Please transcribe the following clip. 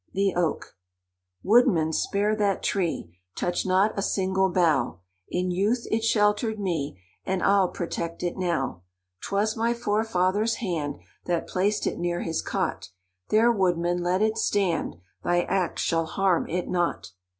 THE OAK. "Woodman, spare that tree! Touch not a single bough! In youth it sheltered me, And I'll protect it now. 'Twas my forefather's hand That placed it near his cot; There, woodman, let it stand, Thy axe shall harm it not!